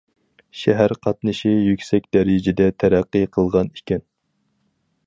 شەھەر قاتنىشى يۈكسەك دەرىجىدە تەرەققىي قىلغان ئىكەن.